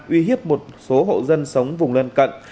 uy hiếp một số hộ dân sống vùng lân cận